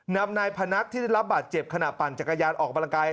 นำนายพนัทที่ได้รับบาดเจ็บขณะปั่นจักรยานออกกำลังกาย